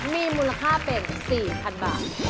มีมูลค่าเป็น๔๐๐๐บาท